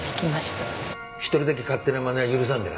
１人だけ勝手なまねは許さんでな。